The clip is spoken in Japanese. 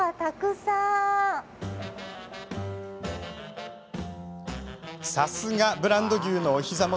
さすがブランド牛のおひざ元。